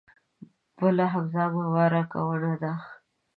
بل همدا مبارکه ونه ده.